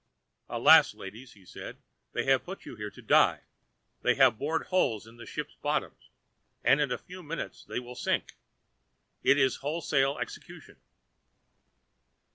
"Alas, ladies!" he said, "they have put you here to die; they have bored holes in the ships' bottoms, and in a few minutes they will sink. It is a wholesale execution."